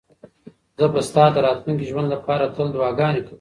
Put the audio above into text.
زه به ستا د راتلونکي ژوند لپاره تل دعاګانې کوم.